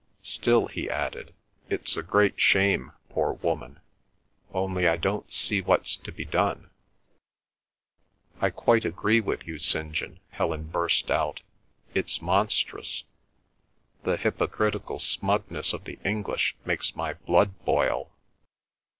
"Still," he added, "it's a great shame, poor woman; only I don't see what's to be done—" "I quite agree with you, St. John," Helen burst out. "It's monstrous. The hypocritical smugness of the English makes my blood boil.